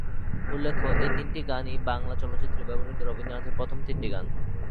উল্লেখ্য, এই তিনটি গানই বাংলা চলচ্চিত্রে ব্যবহৃত রবীন্দ্রনাথের প্রথম তিনটি গান।